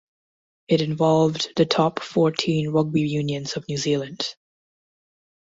It involved the top fourteen rugby unions of New Zealand.